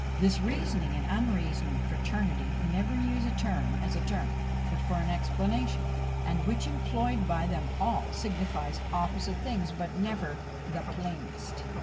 This reasoning and unreasoning fraternity never use a term as a term, but for an explanation, and which employed by them all, signifies opposite things, but never the plainest!